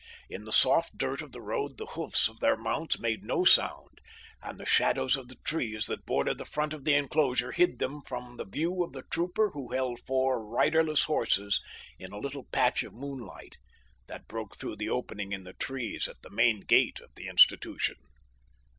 In the soft dirt of the road the hoofs of their mounts made no sound, and the shadows of the trees that border the front of the enclosure hid them from the view of the trooper who held four riderless horses in a little patch of moonlight that broke through the opening in the trees at the main gate of the institution.